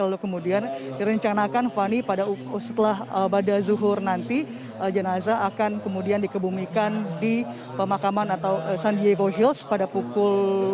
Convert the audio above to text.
lalu kemudian direncanakan fani setelah pada zuhur nanti jenazah akan kemudian dikebumikan di pemakaman atau san diego hills pada pukul